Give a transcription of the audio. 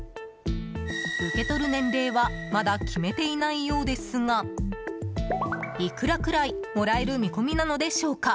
受け取る年齢はまだ決めていないようですが一体、いくらぐらいの年金がもらえる見込みなのでしょうか？